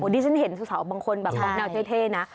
ดิฉันเห็นสาวบางคนแนวเท่นะ